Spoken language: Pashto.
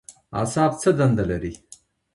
اعصاب څه دنده لري؟